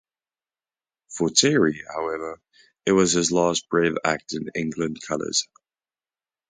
For Terry, however, it was his last brave act in England colours.